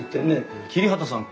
桐畑さん